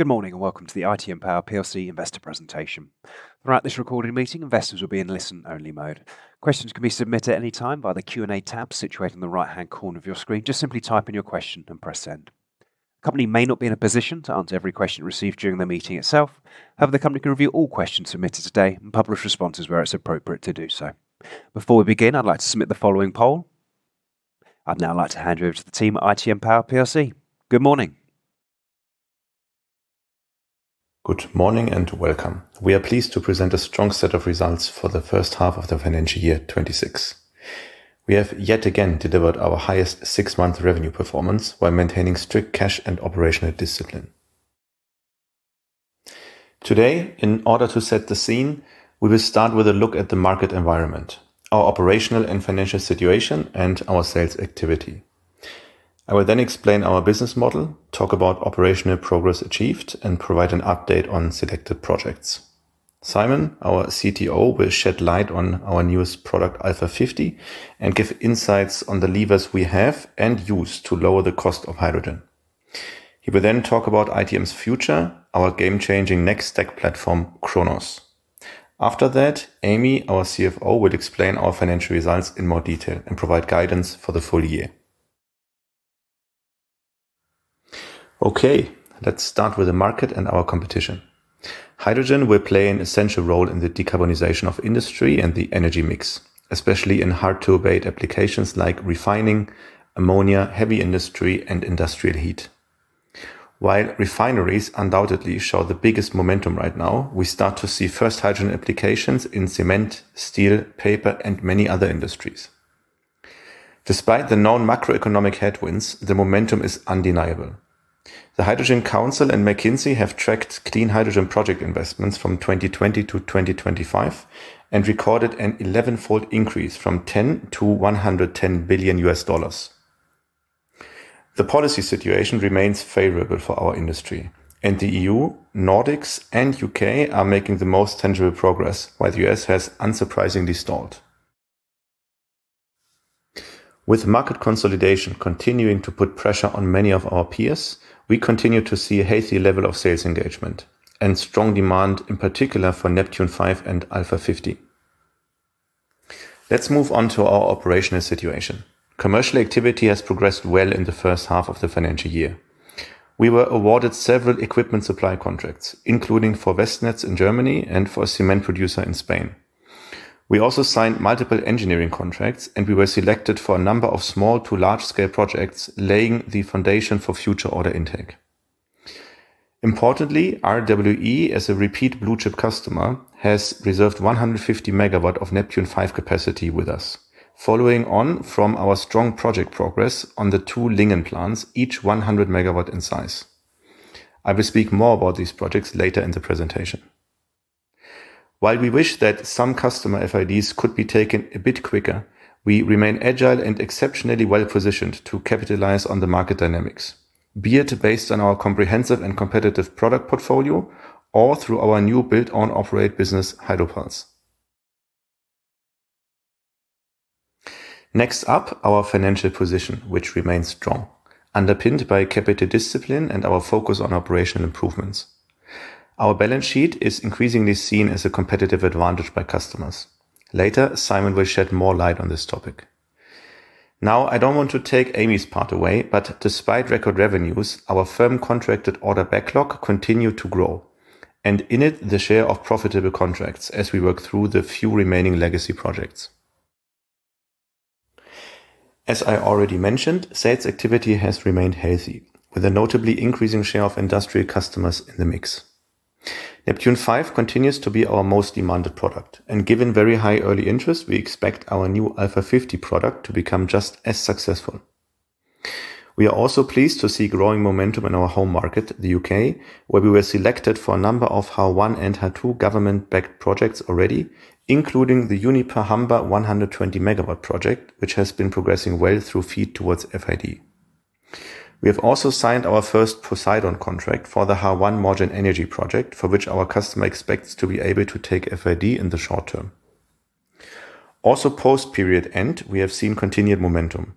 Good morning, and welcome to the ITM Power plc Investor Presentation. Throughout this recorded meeting, investors will be in listen-only mode. Questions can be submitted at any time by the Q&A tab situated in the right-hand corner of your screen. Just simply type in your question and press Send. The company may not be in a position to answer every question received during the meeting itself. However, the company can review all questions submitted today and publish responses where it's appropriate to do so. Before we begin, I'd like to submit the following poll. I'd now like to hand you over to the team at ITM Power plc. Good morning! Good morning and welcome. We are pleased to present a strong set of results for the first half of the financial year 2026. We have yet again delivered our highest six-month revenue performance while maintaining strict cash and operational discipline. Today, in order to set the scene, we will start with a look at the market environment, our operational and financial situation, and our sales activity. I will then explain our business model, talk about operational progress achieved, and provide an update on selected projects. Simon, our CTO, will shed light on our newest product, ALPHA 50, and give insights on the levers we have and use to lower the cost of hydrogen. He will then talk about ITM's future, our game-changing next stack platform, CHRONOS. After that, Amy, our CFO, will explain our financial results in more detail and provide guidance for the full year. Okay, let's start with the market and our competition. Hydrogen will play an essential role in the decarbonization of industry and the energy mix, especially in hard-to-abate applications like refining, ammonia, heavy industry, and industrial heat. While refineries undoubtedly show the biggest momentum right now, we start to see first hydrogen applications in cement, steel, paper, and many other industries. Despite the known macroeconomic headwinds, the momentum is undeniable. The Hydrogen Council and McKinsey have tracked clean hydrogen project investments from 2020 to 2025 and recorded an 11-fold increase from $10 billion to $110 billion. The policy situation remains favorable for our industry, and the EU, Nordics, and U.K. are making the most tangible progress, while the U.S. has unsurprisingly stalled. With market consolidation continuing to put pressure on many of our peers, we continue to see a healthy level of sales engagement and strong demand, in particular for NEPTUNE V and ALPHA 50. Let's move on to our operational situation. Commercial activity has progressed well in the first half of the financial year. We were awarded several equipment supply contracts, including for Westnetz in Germany and for a cement producer in Spain. We also signed multiple engineering contracts, and we were selected for a number of small to large-scale projects, laying the foundation for future order intake. Importantly, RWE, as a repeat blue-chip customer, has reserved 150 MW of NEPTUNE V capacity with us, following on from our strong project progress on the two Lingen plants, each 100 MW in size. I will speak more about these projects later in the presentation. While we wish that some customer FIDs could be taken a bit quicker, we remain agile and exceptionally well-positioned to capitalize on the market dynamics, be it based on our comprehensive and competitive product portfolio or through our new build-own-operate business, Hydropulse. Next up, our financial position, which remains strong, underpinned by capital discipline and our focus on operational improvements. Our balance sheet is increasingly seen as a competitive advantage by customers. Later, Simon will shed more light on this topic. Now, I don't want to take Amy's part away, but despite record revenues, our firm contracted order backlog continued to grow, and in it, the share of profitable contracts as we work through the few remaining legacy projects. As I already mentioned, sales activity has remained healthy, with a notably increasing share of industrial customers in the mix. NEPTUNE V continues to be our most demanded product, and given very high early interest, we expect our new ALPHA 50 product to become just as successful. We are also pleased to see growing momentum in our home market, the U.K., where we were selected for a number of HAR1 and HAR2 government-backed projects already, including the Uniper Humber 120 MW project, which has been progressing well through FEED towards FID. We have also signed our first POSEIDON contract for the HAR1 Meld Energy project, for which our customer expects to be able to take FID in the short term. Also, post-period end, we have seen continued momentum.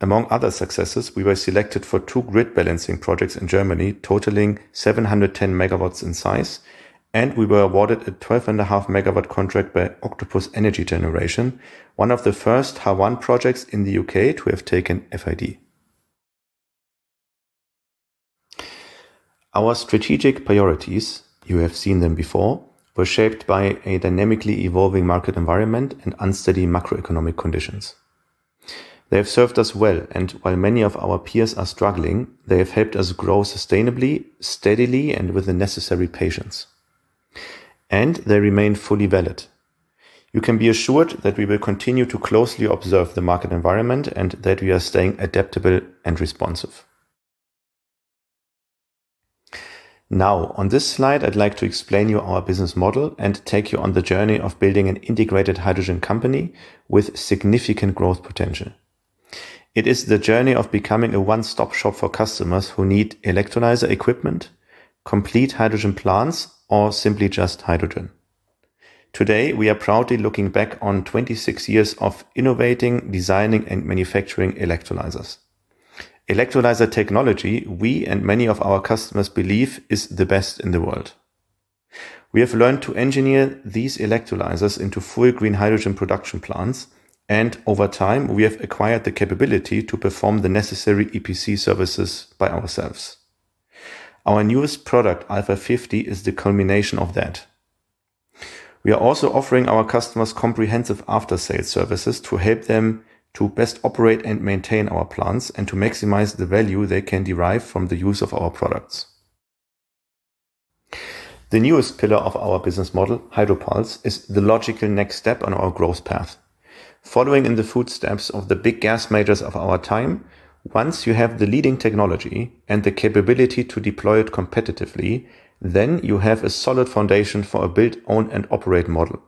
Among other successes, we were selected for two grid balancing projects in Germany, totaling 710 MW in size, and we were awarded a 12.5 MW contract by Octopus Energy Generation, one of the first HAR1 projects in the U.K. to have taken FID. Our strategic priorities, you have seen them before, were shaped by a dynamically evolving market environment and unsteady macroeconomic conditions. They have served us well, and while many of our peers are struggling, they have helped us grow sustainably, steadily, and with the necessary patience, and they remain fully valid. You can be assured that we will continue to closely observe the market environment and that we are staying adaptable and responsive. Now, on this slide, I'd like to explain you our business model and take you on the journey of building an integrated hydrogen company with significant growth potential. It is the journey of becoming a one-stop shop for customers who need electrolyser equipment, complete hydrogen plants, or simply just hydrogen. Today, we are proudly looking back on 26 years of innovating, designing, and manufacturing electrolysers. electrolyser technology, we and many of our customers believe, is the best in the world. We have learned to engineer these electrolysers into full green hydrogen production plants, and over time, we have acquired the capability to perform the necessary EPC services by ourselves. Our newest product, ALPHA 50, is the culmination of that. We are also offering our customers comprehensive after-sales services to help them to best operate and maintain our plants and to maximize the value they can derive from the use of our products. The newest pillar of our business model, Hydropulse, is the logical next step on our growth path. Following in the footsteps of the big gas majors of our time, once you have the leading technology and the capability to deploy it competitively, then you have a solid foundation for a build, own, and operate model.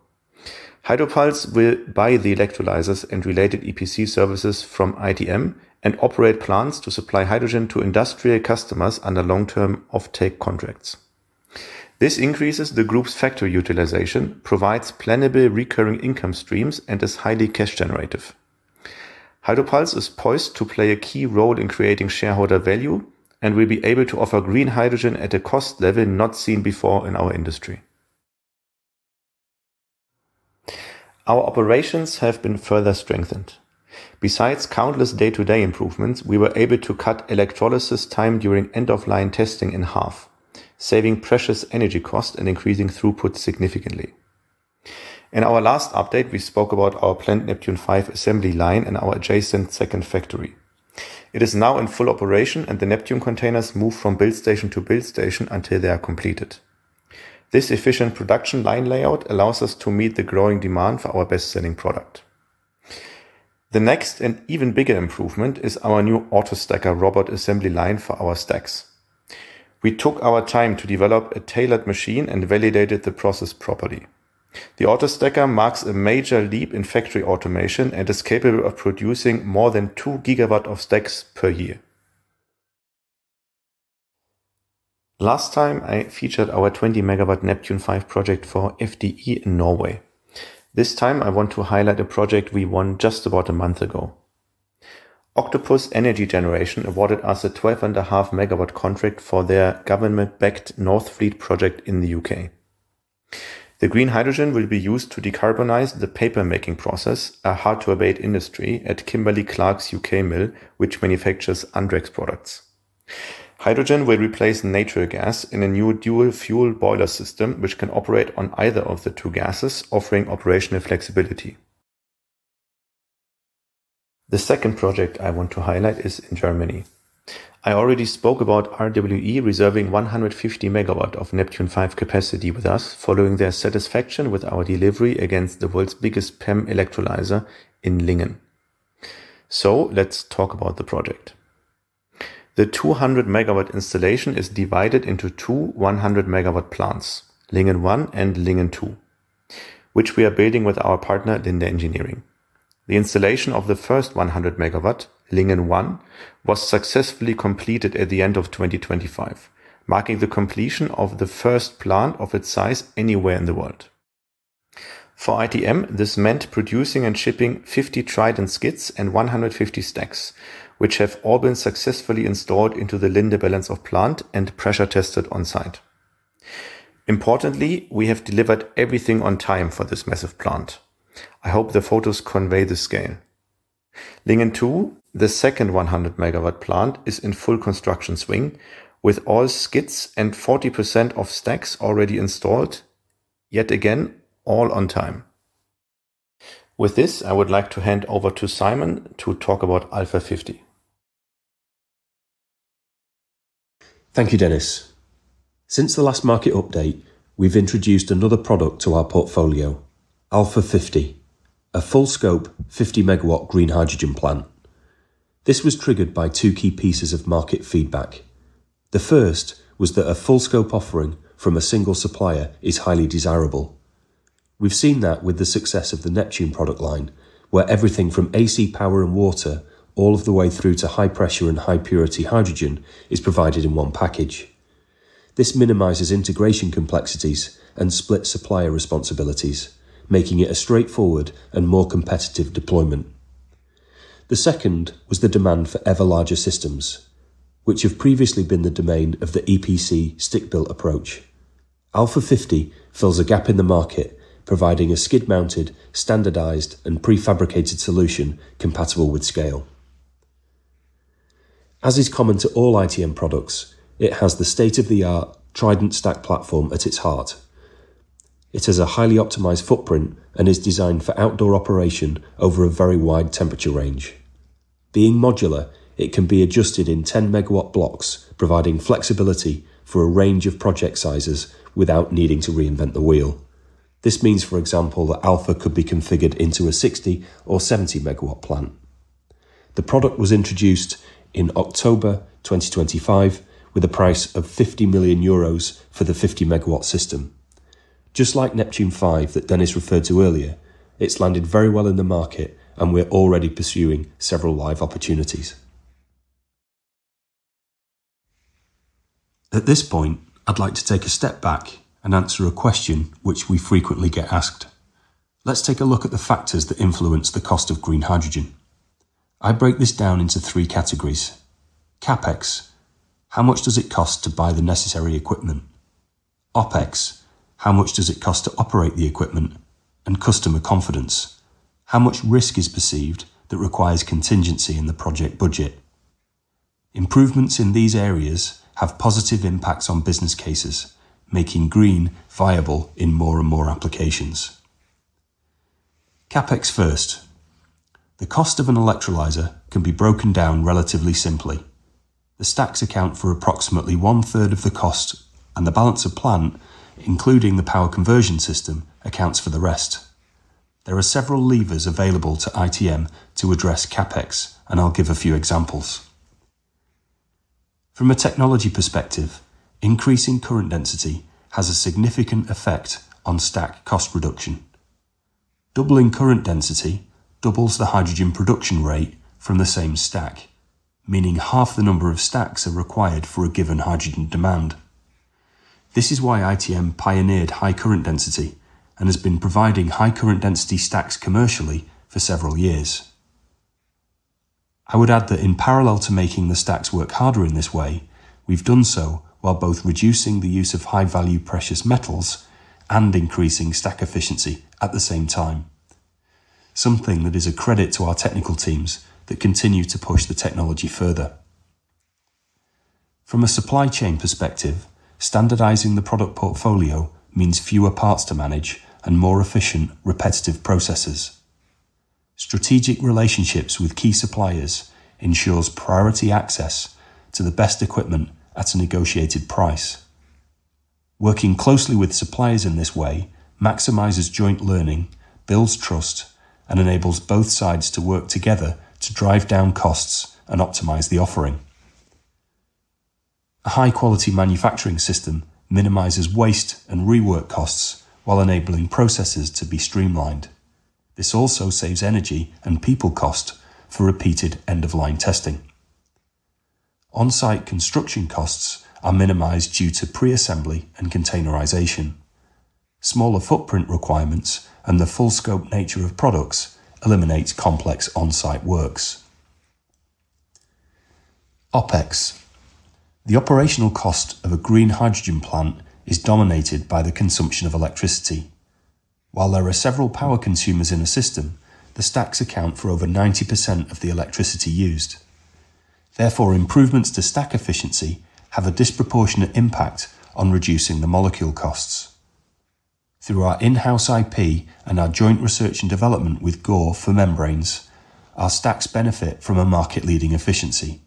Hydropulse will buy the electrolysers and related EPC services from ITM and operate plants to supply hydrogen to industrial customers under long-term offtake contracts. This increases the group's factory utilization, provides plannable recurring income streams, and is highly cash generative. Hydropulse is poised to play a key role in creating shareholder value and will be able to offer green hydrogen at a cost level not seen before in our industry. Our operations have been further strengthened. Besides countless day-to-day improvements, we were able to cut electrolysis time during end-of-line testing in half, saving precious energy cost and increasing throughput significantly. In our last update, we spoke about our plant NEPTUNE V assembly line and our adjacent second factory. It is now in full operation, and NEPTUNE V containers move from build station to build station until they are completed. This efficient production line layout allows us to meet the growing demand for our best-selling product. The next and even bigger improvement is our new AutoStacker robot assembly line for our stacks. We took our time to develop a tailored machine and validated the process properly. The AutoStacker marks a major leap in factory automation and is capable of producing more than 2 GW of stacks per year. Last time, I featured our 20-MW NEPTUNE V project for FDE in Norway. This time, I want to highlight a project we won just about a month ago. Octopus Energy Generation awarded us a 12.5 MW contract for their government-backed Northfleet project in the U.K. The green hydrogen will be used to decarbonize the paper-making process, a hard-to-abate industry at Kimberly-Clark's U.K. mill, which manufactures Andrex products. Hydrogen will replace natural gas in a new dual-fuel boiler system, which can operate on either of the two gases, offering operational flexibility. The second project I want to highlight is in Germany. I already spoke about RWE reserving 150 MW of NEPTUNE V capacity with us, following their satisfaction with our delivery against the world's biggest PEM electrolyser in Lingen. So let's talk about the project. The 200 MW installation is divided into two 100 MW plants, Lingen One and Lingen Two, which we are building with our partner, Linde Engineering. The installation of the first 100 MW, Lingen One, was successfully completed at the end of 2025, marking the completion of the first plant of its size anywhere in the world. For ITM, this meant producing and shipping 50 TRIDENT skids and 150 stacks, which have all been successfully installed into the Linde balance of plant and pressure tested on-site. Importantly, we have delivered everything on time for this massive plant. I hope the photos convey the scale. Lingen Two, the second 100 MW plant, is in full construction swing, with all skids and 40% of stacks already installed, yet again, all on time. With this, I would like to hand over to Simon to talk about ALPHA 50. Thank you, Dennis. Since the last market update, we've introduced another product to our portfolio, ALPHA 50, a full-scope, 50-MW green hydrogen plant. This was triggered by two key pieces of market feedback. The first was that a full-scope offering from a single supplier is highly desirable. We've seen that with the success of the NEPTUNE product line, where everything from AC power and water, all of the way through to high pressure and high purity hydrogen, is provided in one package. This minimizes integration complexities and split supplier responsibilities, making it a straightforward and more competitive deployment. The second was the demand for ever-larger systems, which have previously been the domain of the EPC stick-built approach. ALPHA 50 fills a gap in the market, providing a skid-mounted, standardized, and prefabricated solution compatible with scale. As is common to all ITM products, it has the state-of-the-art TRIDENT stack platform at its heart. It has a highly optimized footprint and is designed for outdoor operation over a very wide temperature range. Being modular, it can be adjusted in 10-MW blocks, providing flexibility for a range of project sizes without needing to reinvent the wheel. This means, for example, that ALPHA could be configured into a 60-MW or 70-MW plant. The product was introduced in October 2025, with a price of 50 million euros for the 50-MW system. Just like NEPTUNE V that Dennis referred to earlier, it's landed very well in the market, and we're already pursuing several live opportunities. At this point, I'd like to take a step back and answer a question which we frequently get asked. Let's take a look at the factors that influence the cost of green hydrogen. I break this down into three categories. CapEx, how much does it cost to buy the necessary equipment? OpEx, how much does it cost to operate the equipment? Customer confidence, how much risk is perceived that requires contingency in the project budget? Improvements in these areas have positive impacts on business cases, making green viable in more and more applications. CapEx first. The cost of an electrolyser can be broken down relatively simply. The stacks account for approximately one third of the cost, and the balance of plant, including the power conversion system, accounts for the rest. There are several levers available to ITM to address CapEx, and I'll give a few examples. From a technology perspective, increasing current density has a significant effect on stack cost reduction. Doubling current density doubles the hydrogen production rate from the same stack, meaning half the number of stacks are required for a given hydrogen demand. This is why ITM pioneered high current density and has been providing high current density stacks commercially for several years. I would add that in parallel to making the stacks work harder in this way, we've done so while both reducing the use of high value precious metals and increasing stack efficiency at the same time, something that is a credit to our technical teams that continue to push the technology further. From a supply chain perspective, standardizing the product portfolio means fewer parts to manage and more efficient, repetitive processes. Strategic relationships with key suppliers ensures priority access to the best equipment at a negotiated price. Working closely with suppliers in this way maximizes joint learning, builds trust, and enables both sides to work together to drive down costs and optimize the offering. A high quality manufacturing system minimizes waste and rework costs while enabling processes to be streamlined. This also saves energy and people cost for repeated end-of-line testing. On-site construction costs are minimized due to pre-assembly and containerization. Smaller footprint requirements and the full scope nature of products eliminates complex on-site works. OpEx. The operational cost of a green hydrogen plant is dominated by the consumption of electricity. While there are several power consumers in a system, the stacks account for over 90% of the electricity used. Therefore, improvements to stack efficiency have a disproportionate impact on reducing the molecule costs. Through our in-house IP and our joint research and development with Gore for membranes, our stacks benefit from a market-leading efficiency.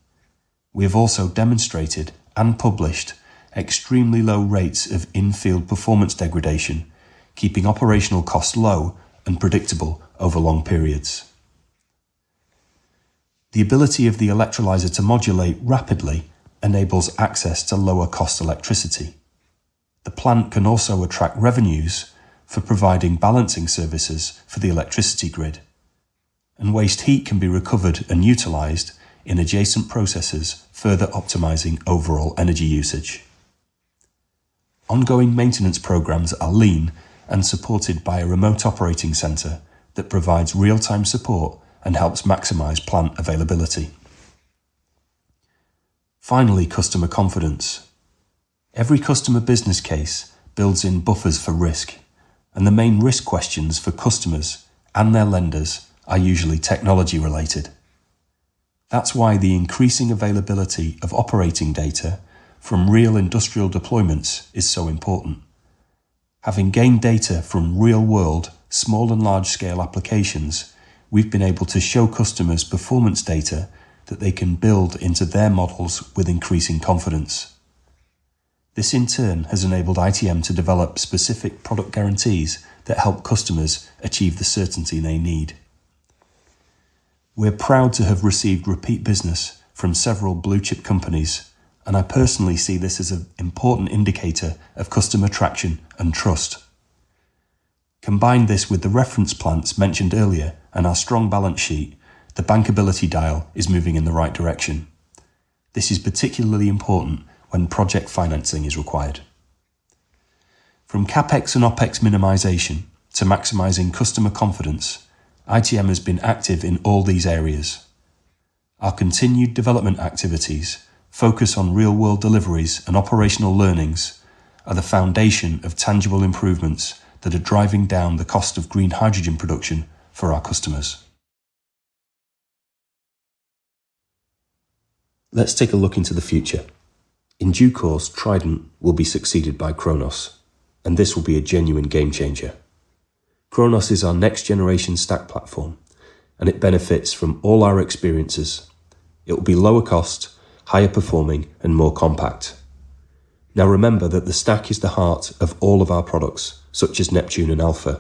We have also demonstrated and published extremely low rates of in-field performance degradation, keeping operational costs low and predictable over long periods. The ability of the electrolyser to modulate rapidly enables access to lower cost electricity. The plant can also attract revenues for providing balancing services for the electricity grid, and waste heat can be recovered and utilized in adjacent processes, further optimizing overall energy usage. Ongoing maintenance programs are lean and supported by a remote operating center that provides real-time support and helps maximize plant availability. Finally, customer confidence. Every customer business case builds in buffers for risk, and the main risk questions for customers and their lenders are usually technology related. That's why the increasing availability of operating data from real industrial deployments is so important. Having gained data from real world, small and large scale applications, we've been able to show customers performance data that they can build into their models with increasing confidence. This, in turn, has enabled ITM to develop specific product guarantees that help customers achieve the certainty they need. We're proud to have received repeat business from several blue chip companies, and I personally see this as an important indicator of customer traction and trust. Combine this with the reference plants mentioned earlier and our strong balance sheet, the bankability dial is moving in the right direction. This is particularly important when project financing is required. From CapEx and OpEx minimization to maximizing customer confidence, ITM has been active in all these areas. Our continued development activities focus on real world deliveries and operational learnings are the foundation of tangible improvements that are driving down the cost of green hydrogen production for our customers. Let's take a look into the future. In due course, TRIDENT will be succeeded by CHRONOS, and this will be a genuine game changer. CHRONOS is our next generation stack platform, and it benefits from all our experiences. It will be lower cost, higher performing, and more compact. Now, remember that the stack is the heart of all of our products, such as NEPTUNE and ALPHA.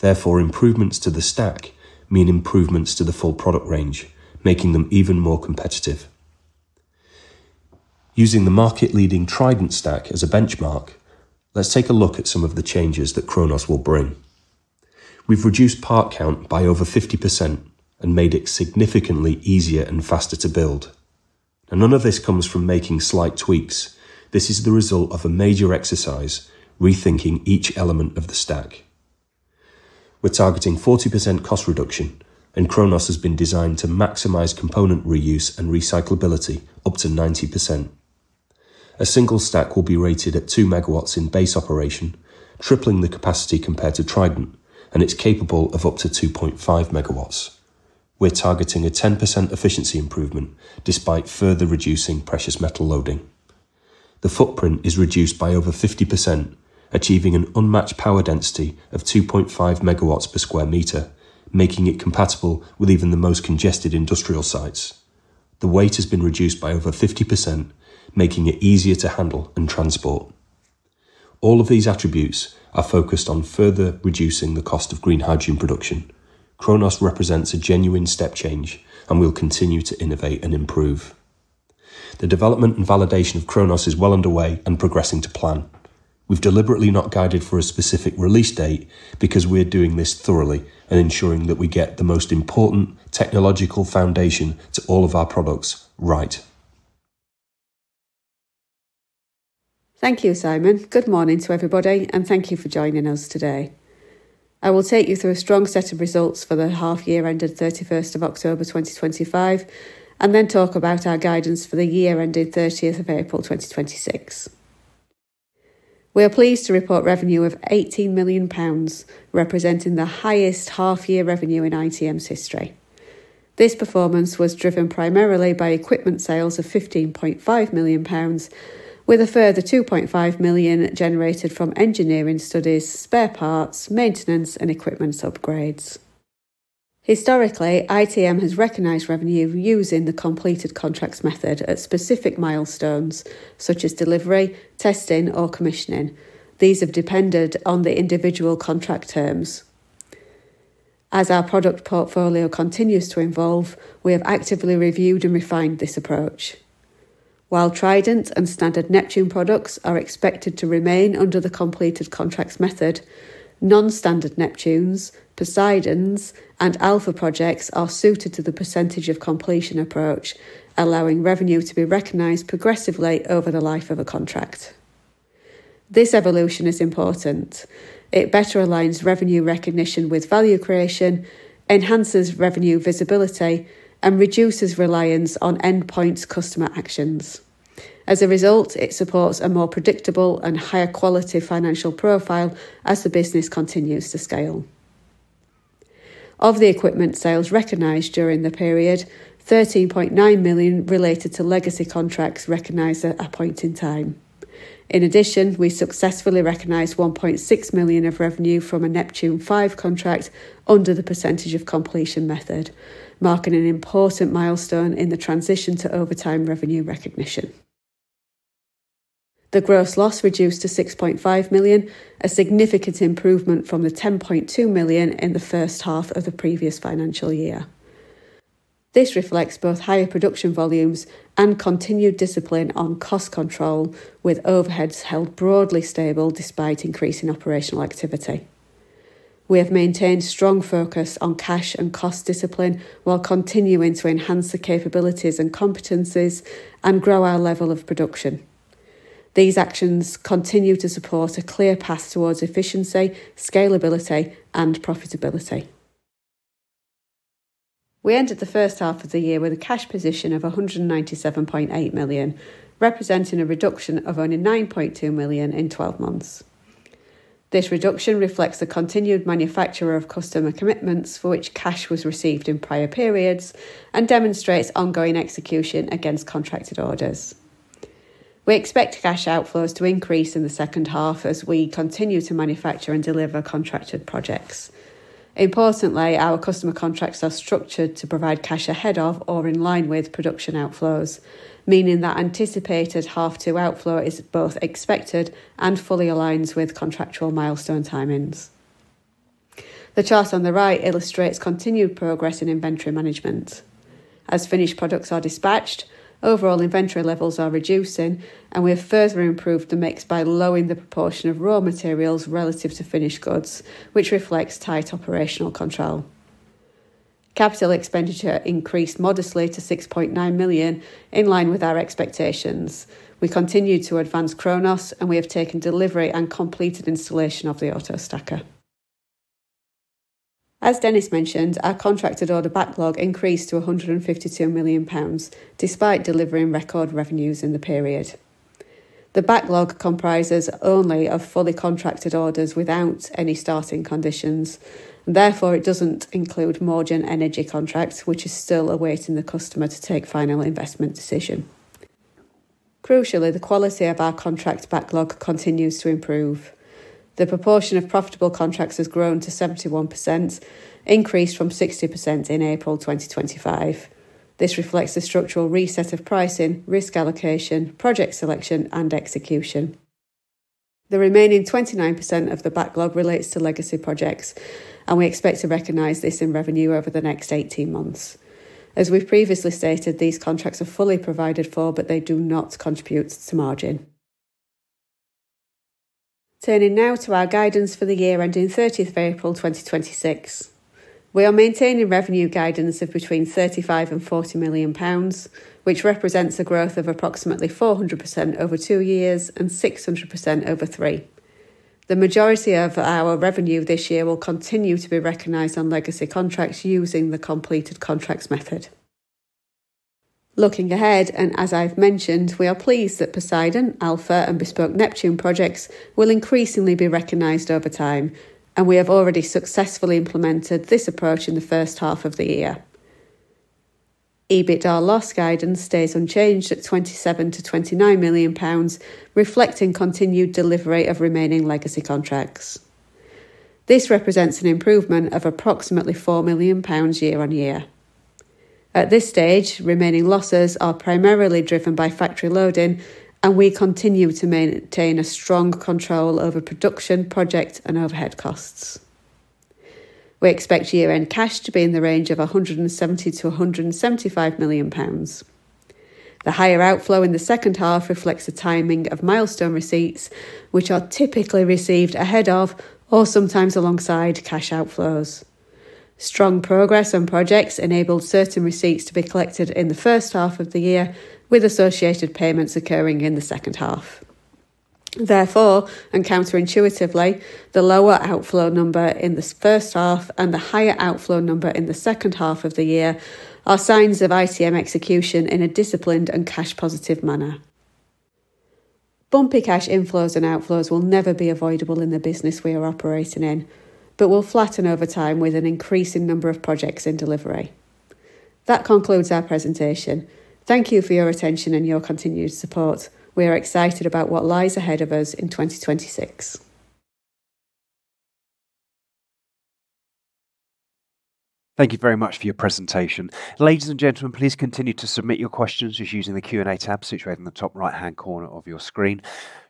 Therefore, improvements to the stack mean improvements to the full product range, making them even more competitive. Using the market leading TRIDENT stack as a benchmark, let's take a look at some of the changes that CHRONOS will bring. We've reduced part count by over 50% and made it significantly easier and faster to build. None of this comes from making slight tweaks. This is the result of a major exercise, rethinking each element of the stack. We're targeting 40% cost reduction, and CHRONOS has been designed to maximize component reuse and recyclability up to 90%. A single stack will be rated at 2 MW in base operation, tripling the capacity compared to TRIDENT, and it's capable of up to 2.5 MW. We're targeting a 10% efficiency improvement, despite further reducing precious metal loading. The footprint is reduced by over 50%, achieving an unmatched power density of 2.5 MW per square meter, making it compatible with even the most congested industrial sites. The weight has been reduced by over 50%, making it easier to handle and transport. All of these attributes are focused on further reducing the cost of green hydrogen production. CHRONOS represents a genuine step change, and we'll continue to innovate and improve. The development and validation of CHRONOS is well underway and progressing to plan. We've deliberately not guided for a specific release date because we're doing this thoroughly and ensuring that we get the most important technological foundation to all of our products right. Thank you, Simon. Good morning to everybody, and thank you for joining us today. I will take you through a strong set of results for the half year ended 31st of October, 2025, and then talk about our guidance for the year ending 30th of April, 2026. We are pleased to report revenue of 18 million pounds, representing the highest half-year revenue in ITM's history. This performance was driven primarily by equipment sales of GBP 15.5 million, with a further GBP 2.5 million generated from engineering studies, spare parts, maintenance, and equipment upgrades. Historically, ITM has recognized revenue using the completed contracts method at specific milestones, such as delivery, testing, or commissioning. These have depended on the individual contract terms. As our product portfolio continues to evolve, we have actively reviewed and refined this approach. While TRIDENT and standard NEPTUNE products are expected to remain under the completed contracts method, non-standard NEPTUNEs, POSEIDONs, and ALPHA projects are suited to the percentage of completion approach, allowing revenue to be recognized progressively over the life of a contract. This evolution is important. It better aligns revenue recognition with value creation, enhances revenue visibility, and reduces reliance on endpoint customer actions. As a result, it supports a more predictable and higher quality financial profile as the business continues to scale. Of the equipment sales recognized during the period, 13.9 million related to legacy contracts recognized at a point in time. In addition, we successfully recognized 1.6 million of revenue from a NEPTUNE V contract under the percentage of completion method, marking an important milestone in the transition to over time revenue recognition. The gross loss reduced to 6.5 million, a significant improvement from the 10.2 million in the first half of the previous financial year. This reflects both higher production volumes and continued discipline on cost control, with overheads held broadly stable despite increasing operational activity. We have maintained strong focus on cash and cost discipline, while continuing to enhance the capabilities and competencies and grow our level of production. These actions continue to support a clear path towards efficiency, scalability, and profitability. We ended the first half of the year with a cash position of 197.8 million, representing a reduction of only 9.2 million in 12 months. This reduction reflects the continued manufacture of customer commitments for which cash was received in prior periods and demonstrates ongoing execution against contracted orders. We expect cash outflows to increase in the second half as we continue to manufacture and deliver contracted projects. Importantly, our customer contracts are structured to provide cash ahead of or in line with production outflows, meaning that anticipated Half 2 outflow is both expected and fully aligns with contractual milestone timings. The chart on the right illustrates continued progress in inventory management. As finished products are dispatched, overall inventory levels are reducing, and we have further improved the mix by lowering the proportion of raw materials relative to finished goods, which reflects tight operational control. Capital expenditure increased modestly to 6.9 million, in line with our expectations. We continue to advance CHRONOS, and we have taken delivery and completed installation of the AutoStacker. As Dennis mentioned, our contracted order backlog increased to 152 million pounds, despite delivering record revenues in the period. The backlog comprises only of fully contracted orders without any starting conditions, and therefore, it doesn't include merchant energy contracts, which is still awaiting the customer to take final investment decision. Crucially, the quality of our contract backlog continues to improve. The proportion of profitable contracts has grown to 71%, increased from 60% in April 2025. This reflects the structural reset of pricing, risk allocation, project selection, and execution. The remaining 29% of the backlog relates to legacy projects, and we expect to recognize this in revenue over the next 18 months. As we've previously stated, these contracts are fully provided for, but they do not contribute to margin. Turning now to our guidance for the year, ending thirtieth of April, 2026. We are maintaining revenue guidance of between 35 million and 40 million pounds, which represents a growth of approximately 400% over two years and 600% over three. The majority of our revenue this year will continue to be recognized on legacy contracts using the completed contracts method. Looking ahead, and as I've mentioned, we are pleased that POSEIDON, ALPHA, and bespoke NEPTUNE projects will increasingly be recognized over time, and we have already successfully implemented this approach in the first half of the year. EBITDA loss guidance stays unchanged at 27 million-29 million pounds, reflecting continued delivery of remaining legacy contracts. This represents an improvement of approximately 4 million pounds year-on-year. At this stage, remaining losses are primarily driven by factory loading, and we continue to maintain a strong control over production, project, and overhead costs. We expect year-end cash to be in the range of GBP 170 million-GBP 175 million. The higher outflow in the second half reflects the timing of milestone receipts, which are typically received ahead of, or sometimes alongside, cash outflows. Strong progress on projects enabled certain receipts to be collected in the first half of the year, with associated payments occurring in the second half. Therefore, and counterintuitively, the lower outflow number in the first half and the higher outflow number in the second half of the year are signs of ITM execution in a disciplined and cash-positive manner. Bumpy cash inflows and outflows will never be avoidable in the business we are operating in, but will flatten over time with an increasing number of projects in delivery. That concludes our presentation. Thank you for your attention and your continued support. We are excited about what lies ahead of us in 2026. Thank you very much for your presentation. Ladies and gentlemen, please continue to submit your questions just using the Q&A tab situated in the top right-hand corner of your screen.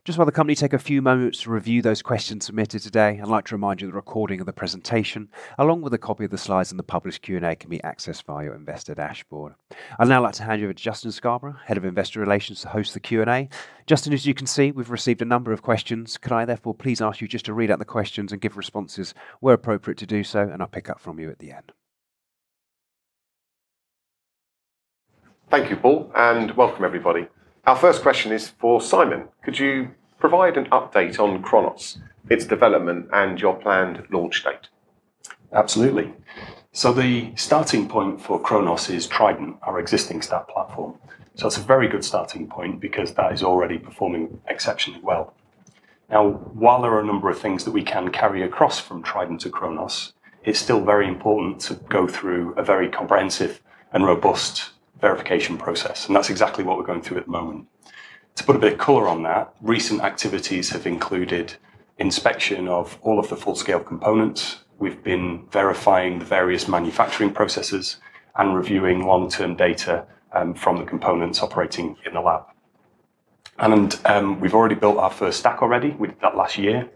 Just while the company take a few moments to review those questions submitted today, I'd like to remind you the recording of the presentation, along with a copy of the slides and the published Q&A, can be accessed via your investor dashboard. I'd now like to hand you over to Justin Scarborough, head of investor relations, to host the Q&A. Justin, as you can see, we've received a number of questions. Could I, therefore, please ask you just to read out the questions and give responses where appropriate to do so, and I'll pick up from you at the end. Thank you, Paul, and welcome, everybody. Our first question is for Simon: Could you provide an update on CHRONOS, its development, and your planned launch date? Absolutely. So the starting point for CHRONOS is TRIDENT, our existing stack platform. So it's a very good starting point, because that is already performing exceptionally well. Now, while there are a number of things that we can carry across from TRIDENT to CHRONOS, it's still very important to go through a very comprehensive and robust verification process, and that's exactly what we're going through at the moment. To put a bit of color on that, recent activities have included inspection of all of the full-scale components. We've been verifying the various manufacturing processes and reviewing long-term data from the components operating in the lab. And, we've already built our first stack already. We did that last year.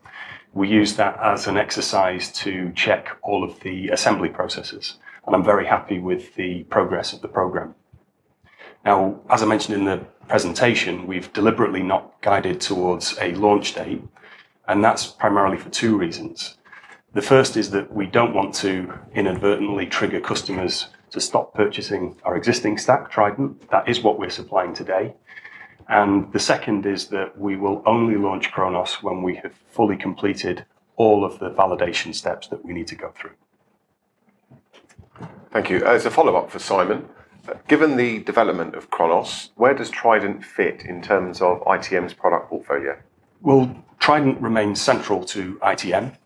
We used that as an exercise to check all of the assembly processes, and I'm very happy with the progress of the program. Now, as I mentioned in the presentation, we've deliberately not guided towards a launch date, and that's primarily for two reasons. The first is that we don't want to inadvertently trigger customers to stop purchasing our existing stack, TRIDENT. That is what we're supplying today. The second is that we will only launch CHRONOS when we have fully completed all of the validation steps that we need to go through. Thank you. As a follow-up for Simon, given the development of CHRONOS, where does TRIDENT fit in terms of ITM's product portfolio? Well, TRIDENT remains central to ITM.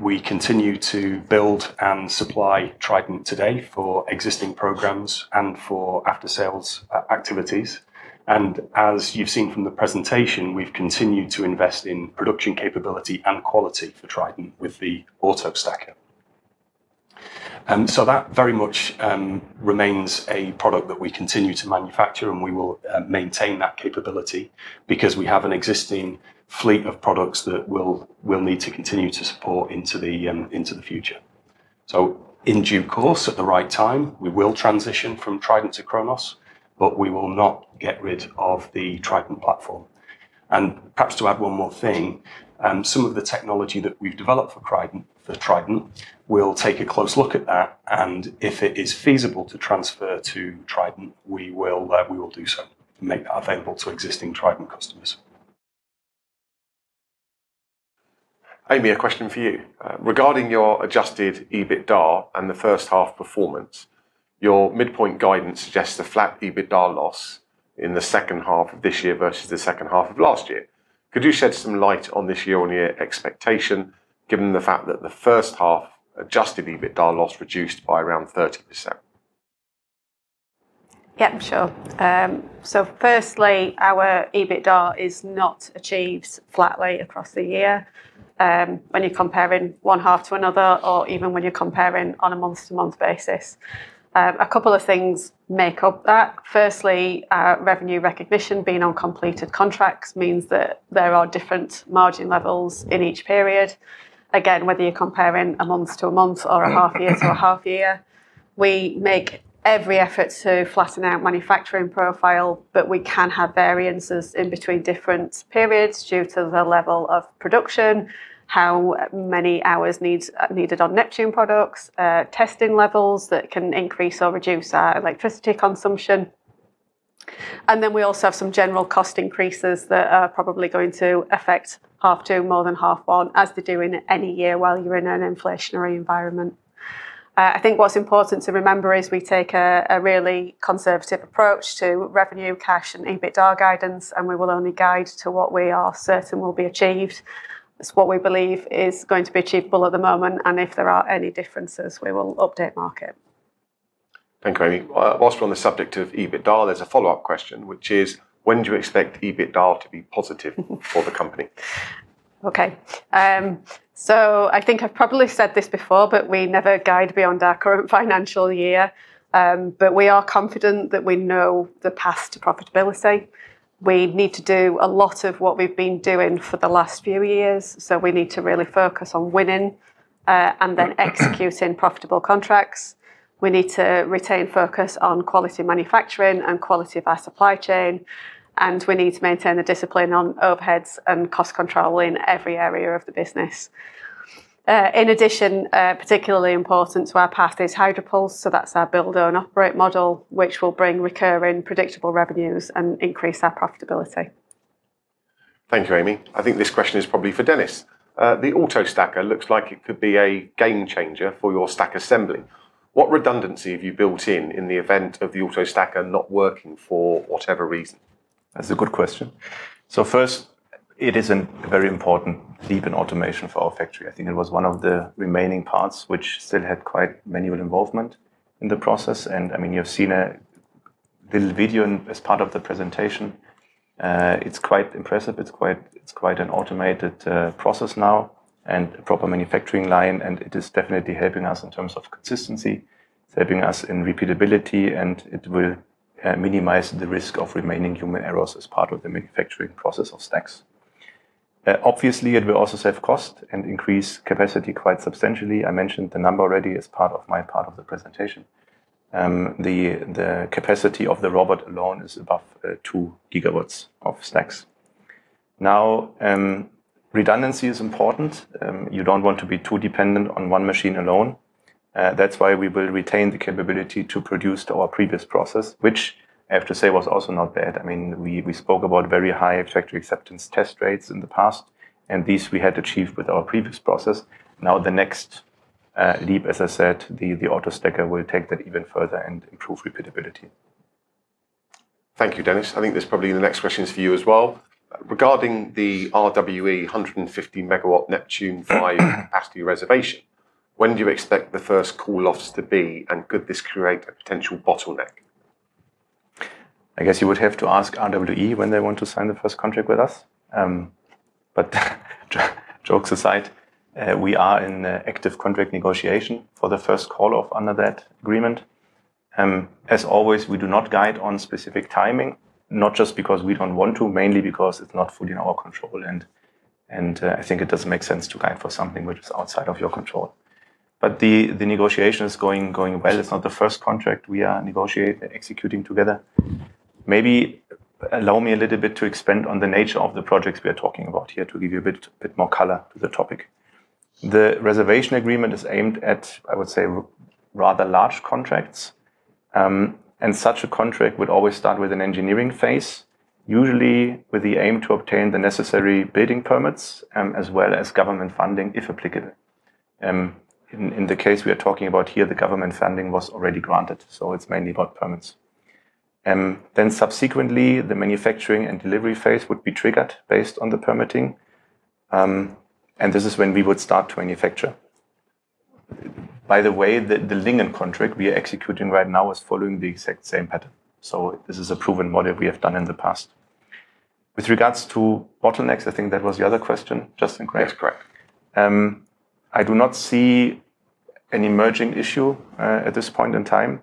We continue to build and supply TRIDENT today for existing programs and for after-sales activities. And as you've seen from the presentation, we've continued to invest in production capability and quality for TRIDENT with the AutoStacker. And so that very much remains a product that we continue to manufacture, and we will maintain that capability because we have an existing fleet of products that we'll need to continue to support into the future. So in due course, at the right time, we will transition from TRIDENT to CHRONOS, but we will not get rid of the TRIDENT platform. Perhaps to add one more thing, some of the technology that we've developed for TRIDENT, for TRIDENT, we'll take a close look at that, and if it is feasible to transfer to TRIDENT, we will do so and make that available to existing TRIDENT customers. Amy, a question for you. Regarding your adjusted EBITDA and the first half performance, your midpoint guidance suggests a flat EBITDA loss in the second half of this year versus the second half of last year. Could you shed some light on this year-on-year expectation, given the fact that the first half adjusted EBITDA loss reduced by around 30%? Yeah, sure. So firstly, our EBITDA is not achieved flatly across the year, when you're comparing one half to another or even when you're comparing on a month-to-month basis. A couple of things make up that. Firstly, our revenue recognition being on completed contracts means that there are different margin levels in each period. Again, whether you're comparing a month to a month or a half year to a half year, we make every effort to flatten out manufacturing profile, but we can have variances in between different periods due to the level of production, how many hours needs, needed on NEPTUNE products, testing levels that can increase or reduce our electricity consumption. And then we also have some general cost increases that are probably going to affect half two more than half one, as they do in any year while you're in an inflationary environment. I think what's important to remember is we take a really conservative approach to revenue, cash, and EBITDA guidance, and we will only guide to what we are certain will be achieved. It's what we believe is going to be achievable at the moment, and if there are any differences, we will update market. Thank you, Amy. While we're on the subject of EBITDA, there's a follow-up question, which is: When do you expect EBITDA to be positive for the company? Okay. So I think I've probably said this before, but we never guide beyond our current financial year. But we are confident that we know the path to profitability. We need to do a lot of what we've been doing for the last few years, so we need to really focus on winning, and then executing profitable contracts. We need to retain focus on quality manufacturing and quality of our supply chain, and we need to maintain the discipline on overheads and cost control in every area of the business. In addition, particularly important to our path is Hydropulse, so that's our build-own-operate model, which will bring recurring, predictable revenues and increase our profitability. Thank you, Amy. I think this question is probably for Dennis. "The AutoStacker looks like it could be a game changer for your stack assembly. What redundancy have you built in, in the event of the AutoStacker not working for whatever reason? That's a good question. So first, it is a very important leap in automation for our factory. I think it was one of the remaining parts which still had quite manual involvement in the process, and, I mean, you have seen a little video in as part of the presentation. It's quite impressive. It's quite, it's quite an automated process now and a proper manufacturing line, and it is definitely helping us in terms of consistency, it's helping us in repeatability, and it will minimize the risk of remaining human errors as part of the manufacturing process of stacks. Obviously, it will also save cost and increase capacity quite substantially. I mentioned the number already as part of my part of the presentation. The capacity of the robot alone is above 2 GW of stacks. Now, redundancy is important. You don't want to be too dependent on one machine alone. That's why we will retain the capability to produce to our previous process, which, I have to say, was also not bad. I mean, we spoke about very high Factory Acceptance Test rates in the past, and these we had achieved with our previous process. Now, the next leap, as I said, the AutoStacker will take that even further and improve repeatability. Thank you, Dennis. I think this, probably, the next question is for you, as well. "Regarding the RWE 150 MW NEPTUNE V offtake reservation, when do you expect the first call-offs to be, and could this create a potential bottleneck? I guess you would have to ask RWE when they want to sign the first contract with us. But jokes aside, we are in active contract negotiation for the first call-off under that agreement. As always, we do not guide on specific timing, not just because we don't want to, mainly because it's not fully in our control, and I think it doesn't make sense to guide for something which is outside of your control. But the negotiation is going well. It's not the first contract we are negotiate and executing together. Maybe allow me a little bit to expand on the nature of the projects we are talking about here, to give you a bit more color to the topic. The reservation agreement is aimed at, I would say, rather large contracts. And such a contract would always start with an engineering phase, usually with the aim to obtain the necessary building permits, as well as government funding, if applicable. In the case we are talking about here, the government funding was already granted, so it's mainly about permits. Then subsequently, the manufacturing and delivery phase would be triggered based on the permitting, and this is when we would start to manufacture. By the way, the Lingen contract we are executing right now is following the exact same pattern, so this is a proven model we have done in the past. With regards to bottlenecks, I think that was the other question, Justin, correct? Yes, correct. I do not see an emerging issue, at this point in time.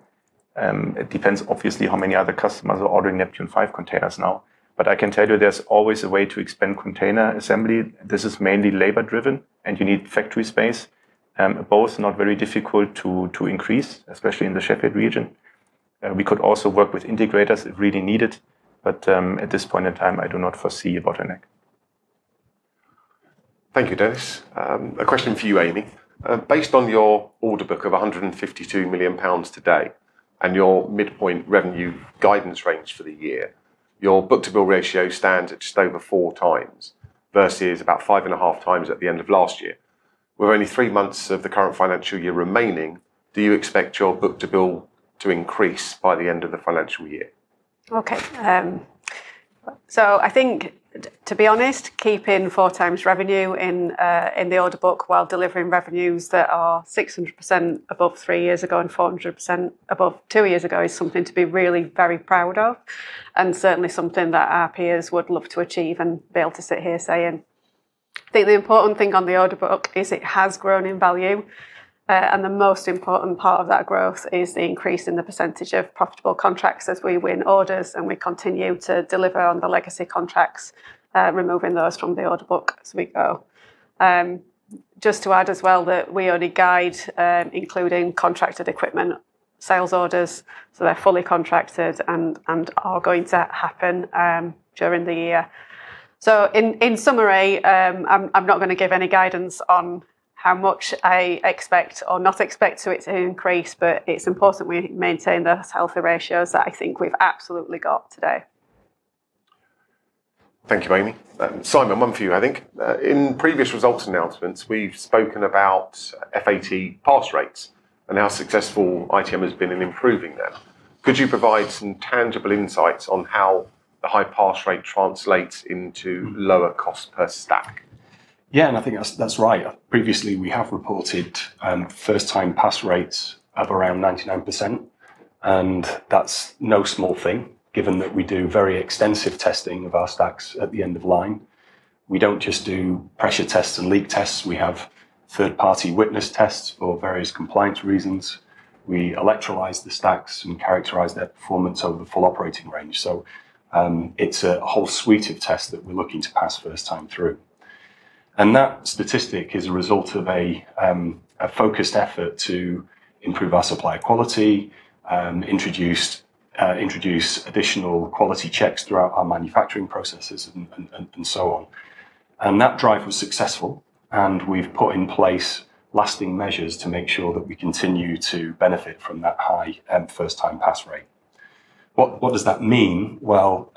It depends, obviously, how many other customers are ordering NEPTUNE V containers now. But I can tell you, there's always a way to expand container assembly. This is mainly labor-driven, and you need factory space. Both not very difficult to increase, especially in the Sheffield region. We could also work with integrators if really needed, but, at this point in time, I do not foresee a bottleneck. Thank you, Dennis. A question for you, Amy: "Based on your order book of 152 million pounds today and your midpoint revenue guidance range for the year, your book-to-bill ratio stands at just over 4x, versus about 5.5x at the end of last year. With only three months of the current financial year remaining, do you expect your book-to-bill to increase by the end of the financial year? Okay, so I think, to be honest, keeping 4x revenue in, in the order book, while delivering revenues that are 600% above three years ago and 400% above two years ago, is something to be really very proud of, and certainly something that our peers would love to achieve and be able to sit here saying. I think the important thing on the order book is it has grown in value, and the most important part of that growth is the increase in the percentage of profitable contracts as we win orders, and we continue to deliver on the legacy contracts, removing those from the order book as we go. Just to add as well, that we only guide, including contracted equipment sales orders, so they're fully contracted and, and are going to happen, during the year. So, in summary, I'm not gonna give any guidance on how much I expect or not expect to it to increase, but it's important we maintain those healthy ratios that I think we've absolutely got today. Thank you, Amy. Simon, one for you, I think. In previous results announcements, we've spoken about FAT pass rates and how successful ITM has been in improving them. Could you provide some tangible insights on how the high pass rate translates into lower cost per stack? Yeah, and I think that's, that's right. Previously, we have reported first-time pass rates of around 99%, and that's no small thing, given that we do very extensive testing of our stacks at the end of line. We don't just do pressure tests and leak tests. We have third-party witness tests for various compliance reasons. We electrolyze the stacks and characterize their performance over the full operating range. So, it's a whole suite of tests that we're looking to pass first time through. And that statistic is a result of a focused effort to improve our supplier quality, introduce, introduce additional quality checks throughout our manufacturing processes, and, and, and so on. And that drive was successful, and we've put in place lasting measures to make sure that we continue to benefit from that high first-time pass rate. What, what does that mean? Well,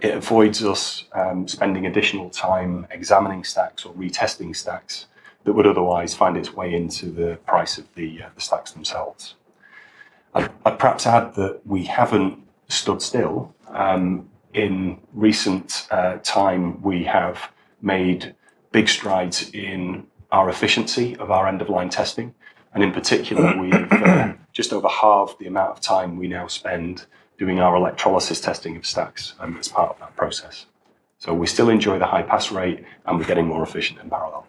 it avoids us spending additional time examining stacks or retesting stacks that would otherwise find its way into the price of the, the stacks themselves. I'd perhaps add that we haven't stood still. In recent time, we have made big strides in our efficiency of our end-of-line testing, and in particular, we've just over half the amount of time we now spend doing our electrolysis testing of stacks, as part of that process. So we still enjoy the high pass rate, and we're getting more efficient in parallel.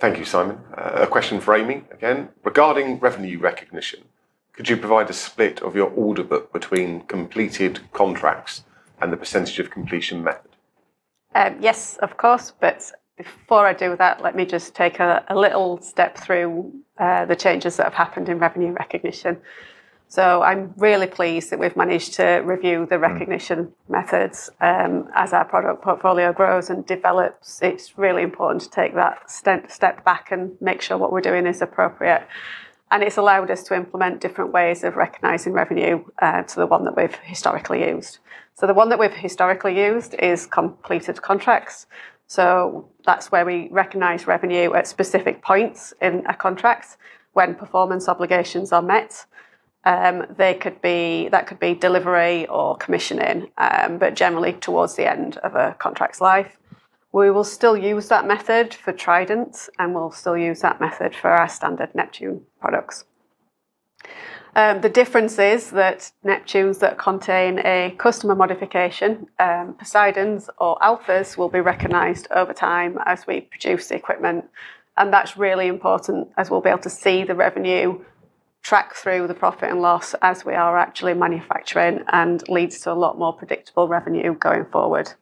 Thank you, Simon. A question for Amy again. Regarding revenue recognition, could you provide a split of your order book between completed contracts and the percentage of completion method? Yes, of course, but before I do that, let me just take a little step through the changes that have happened in revenue recognition. So I'm really pleased that we've managed to review the recognition methods. As our product portfolio grows and develops, it's really important to take that step, step back and make sure what we're doing is appropriate, and it's allowed us to implement different ways of recognizing revenue to the one that we've historically used. So the one that we've historically used is completed contracts, so that's where we recognize revenue at specific points in a contract when performance obligations are met. They could be. That could be delivery or commissioning, but generally towards the end of a contract's life. We will still use that method for TRIDENTs, and we'll still use that method for our standard NEPTUNE products. The difference is that NEPTUNEs that contain a customer modification, POSEIDONs or ALPHAs, will be recognized over time as we produce the equipment, and that's really important, as we'll be able to see the revenue track through the profit and loss as we are actually manufacturing, and leads to a lot more predictable revenue going forward.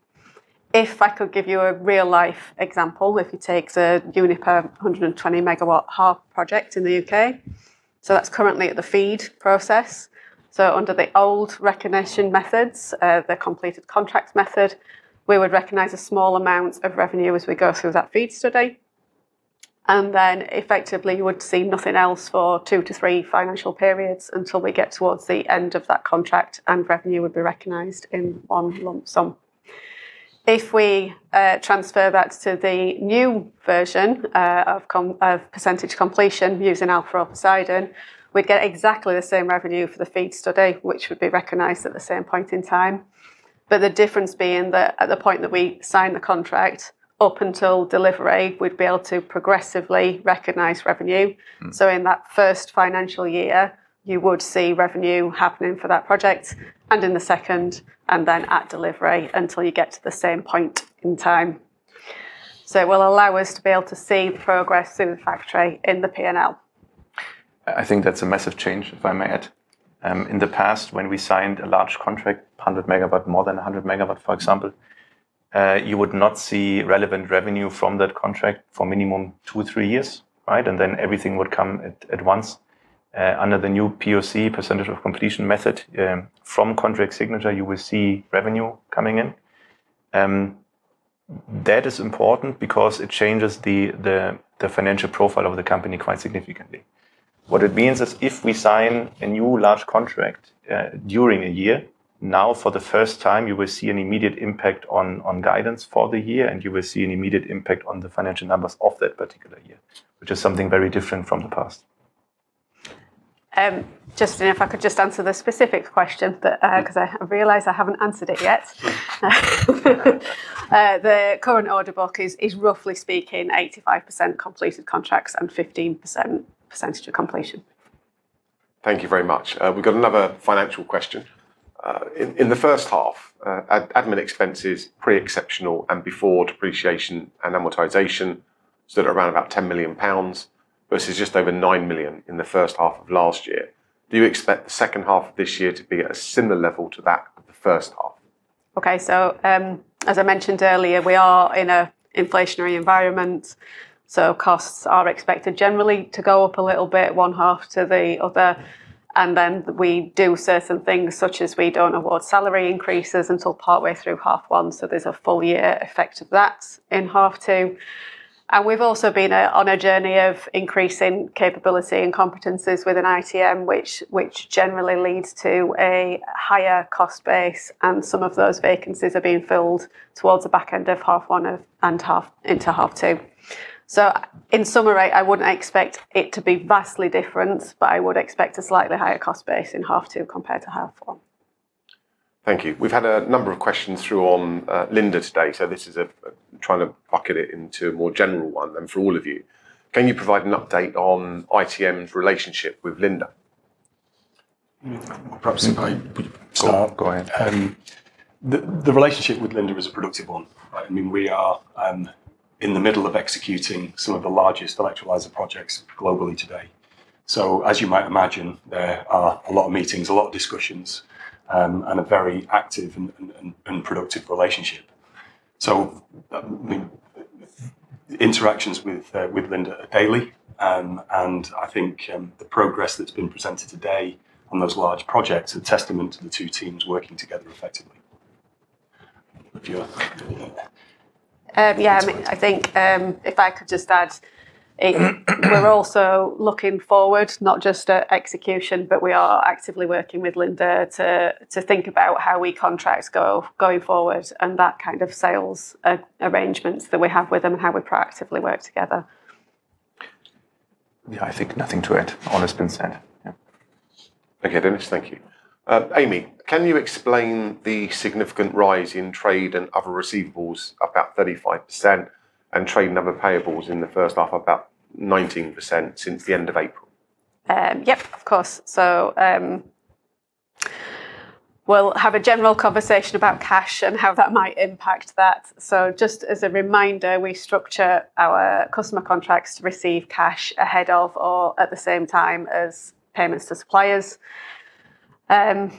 If I could give you a real-life example, if you take the Uniper 120-MW Humber project in the U.K., so that's currently at the FEED process. So under the old recognition methods, the completed contracts method, we would recognize a small amount of revenue as we go through that FEED study, and then effectively you would see nothing else for two to three financial periods until we get towards the end of that contract and revenue would be recognized in one lump sum. If we transfer that to the new version of percentage completion, using ALPHA or POSEIDON, we'd get exactly the same revenue for the FEED study, which would be recognized at the same point in time. But the difference being that at the point that we sign the contract up until delivery, we'd be able to progressively recognize revenue. In that first financial year, you would see revenue happening for that project, and in the second, and then at delivery, until you get to the same point in time. It will allow us to be able to see progress through the factory in the P&L. I think that's a massive change, if I may add. In the past, when we signed a large contract, 100 MW, more than 100 MW, for example, you would not see relevant revenue from that contract for minimum 2-3 years, right? Then everything would come at once. Under the new PoC, percentage of completion, method, from contract signature, you will see revenue coming in. That is important because it changes the financial profile of the company quite significantly. What it means is, if we sign a new large contract, during a year, now, for the first time, you will see an immediate impact on guidance for the year, and you will see an immediate impact on the financial numbers of that particular year, which is something very different from the past. Just, and if I could just answer the specific question that, 'cause I realize I haven't answered it yet. The current order book is, roughly speaking, 85% completed contracts and 15% percentage of completion. Thank you very much. We've got another financial question. In the first half, admin expenses, pre-exceptional and before depreciation and amortization, sat around about 10 million pounds, versus just over 9 million in the first half of last year. Do you expect the second half of this year to be at a similar level to that of the first half? Okay, so, as I mentioned earlier, we are in an inflationary environment, so costs are expected generally to go up a little bit, 1/2 to the other, and then we do certain things, such as we don't award salary increases until partway through half one, so there's a full year effect of that in half two. And we've also been on a journey of increasing capability and competencies within ITM, which generally leads to a higher cost base, and some of those vacancies are being filled towards the back end of half one and half into half two. So in summary, I wouldn't expect it to be vastly different, but I would expect a slightly higher cost base in half two compared to half one. Thank you. We've had a number of questions through on Linde today, so this is trying to bucket it into a more general one and for all of you. Can you provide an update on ITM's relationship with Linde? Perhaps if I could start? Go on. Go ahead. The relationship with Linde is a productive one, right? I mean, we are in the middle of executing some of the largest electrolyser projects globally today. So as you might imagine, there are a lot of meetings, a lot of discussions, and a very active and productive relationship. So, I mean, interactions with, with Linde are daily. And I think the progress that's been presented today on those large projects are a testament to the two teams working together effectively. Yeah, I mean, I think if I could just add, we're also looking forward, not just at execution, but we are actively working with Linde to think about how we contract going forward, and that kind of sales arrangements that we have with them and how we proactively work together. Yeah, I think nothing to add. All has been said. Yeah. Okay, Dennis, thank you. Amy, can you explain the significant rise in trade and other receivables, about 35%, and trade and other payables in the first half, about 19% since the end of April? Yep, of course. So, we'll have a general conversation about cash and how that might impact that. So just as a reminder, we structure our customer contracts to receive cash ahead of or at the same time as payments to suppliers.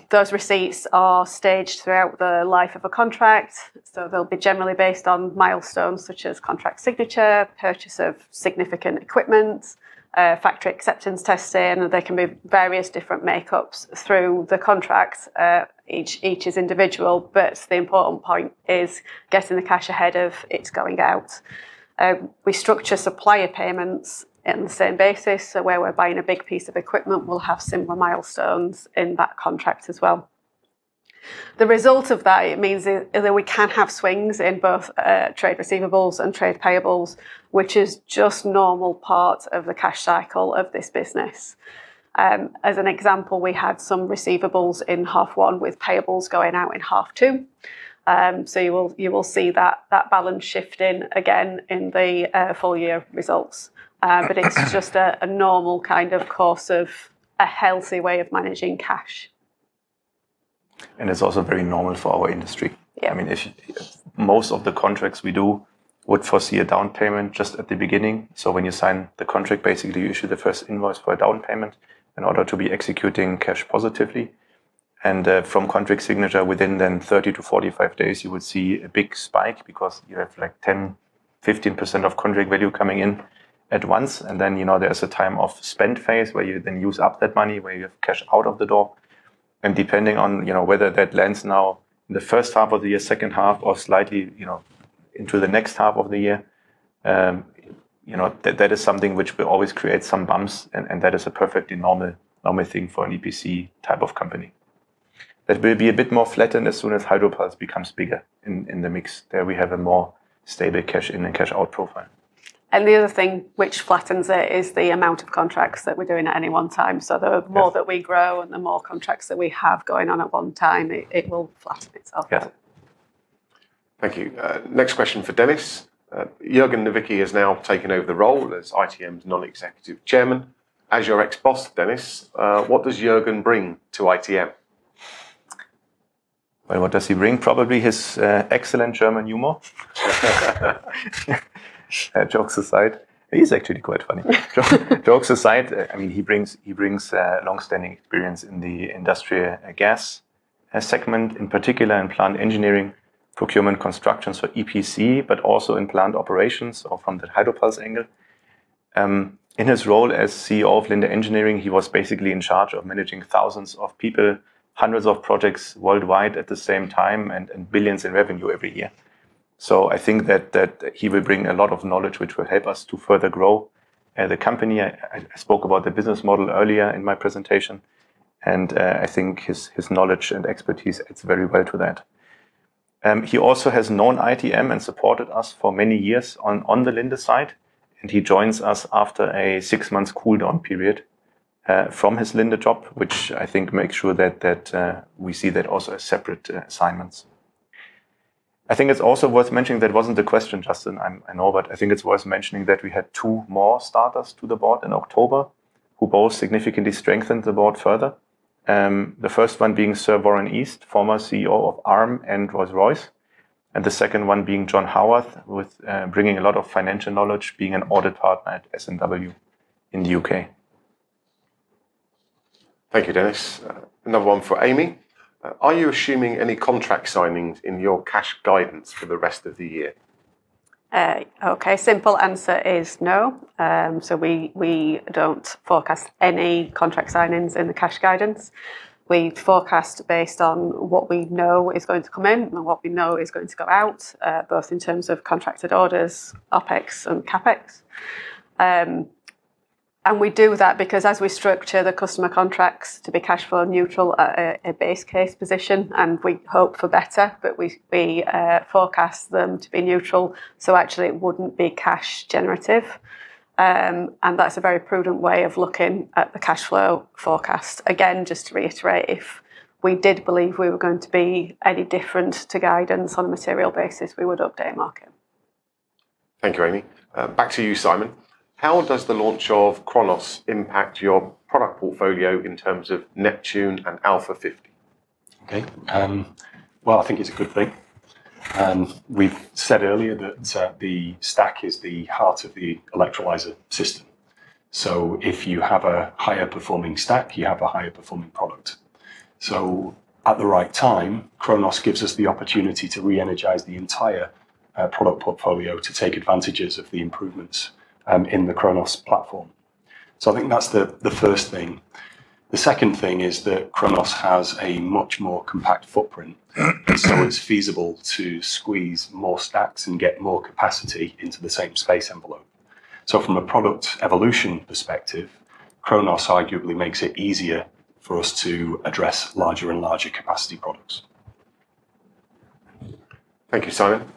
Those receipts are staged throughout the life of a contract, so they'll be generally based on milestones such as contract signature, purchase of significant equipment, factory acceptance testing. There can be various different makeups through the contracts. Each is individual, but the important point is getting the cash ahead of its going out. We structure supplier payments in the same basis, so where we're buying a big piece of equipment, we'll have similar milestones in that contract as well. The result of that, it means is that we can have swings in both, trade receivables and trade payables, which is just normal part of the cash cycle of this business. As an example, we had some receivables in half one, with payables going out in half two. So you will see that balance shifting again in the full year results. But it's just a normal kind of course of a healthy way of managing cash. It's also very normal for our industry. Yeah. I mean, most of the contracts we do would foresee a down payment just at the beginning. So when you sign the contract, basically, you issue the first invoice for a down payment in order to be executing cash positively. And from contract signature, within then 30 days-45 days, you would see a big spike because you have, like, 10%-15% of contract value coming in at once. And then, you know, there is a time of spend phase, where you then use up that money, where you have cash out of the door. Depending on, you know, whether that lands now in the first half of the year, second half, or slightly, you know, into the next half of the year, you know, that is something which will always create some bumps, and that is a perfectly normal thing for an EPC type of company. It will be a bit more flattened as soon as Hydropulse becomes bigger in the mix. There, we have a more stable cash in and cash out profile. The other thing which flattens it is the amount of contracts that we're doing at any one time. Yeah. The more that we grow and the more contracts that we have going on at one time, it will flatten itself out. Yeah. Thank you. Next question for Dennis. Jürgen Nowicki has now taken over the role as ITM's Non-Executive Chairman. As your ex-boss, Dennis, what does Jürgen bring to ITM? Well, what does he bring? Probably his excellent German humor. Jokes aside, he's actually quite funny. Jokes aside, I mean, he brings long-standing experience in the industrial gas segment, in particular in plant engineering, procurement, construction, so EPC, but also in plant operations or from the Hydropulse angle. In his role as CEO of Linde Engineering, he was basically in charge of managing thousands of people, hundreds of projects worldwide at the same time, and billions EUR in revenue every year. So I think that he will bring a lot of knowledge, which will help us to further grow the company. I spoke about the business model earlier in my presentation, and I think his knowledge and expertise adds very well to that. He also has known ITM and supported us for many years on the Linde side, and he joins us after a six-month cool-down period from his Linde job, which I think makes sure that we see that also as separate assignments. I think it's also worth mentioning, that wasn't the question, Justin, I know, but I think it's worth mentioning that we had two more starters to the board in October, who both significantly strengthened the board further. The first one being Sir Warren East, former CEO of Arm and Rolls-Royce, and the second one being John Howarth, with bringing a lot of financial knowledge, being an audit partner at S&W in the U.K. Thank you, Dennis. Another one for Amy. Are you assuming any contract signings in your cash guidance for the rest of the year? Okay. Simple answer is no. So we don't forecast any contract signings in the cash guidance. We forecast based on what we know is going to come in and what we know is going to go out, both in terms of contracted orders, OpEx and CapEx. And we do that because as we structure the customer contracts to be cash flow neutral at a base case position, and we hope for better, but we forecast them to be neutral, so actually it wouldn't be cash generative. And that's a very prudent way of looking at the cash flow forecast. Again, just to reiterate, if we did believe we were going to be any different to guidance on a material basis, we would update the market. Thank you, Amy. Back to you, Simon. How does the launch of CHRONOS impact your product portfolio in terms of NEPTUNE and ALPHA 50? Okay. Well, I think it's a good thing. We've said earlier that the stack is the heart of the electrolyser system. So if you have a higher performing stack, you have a higher performing product. So at the right time, CHRONOS gives us the opportunity to re-energize the entire product portfolio to take advantages of the improvements in the CHRONOS platform. So I think that's the first thing. The second thing is that CHRONOS has a much more compact footprint, so it's feasible to squeeze more stacks and get more capacity into the same space envelope. So from a product evolution perspective, CHRONOS arguably makes it easier for us to address larger and larger capacity products. Thank you, Simon.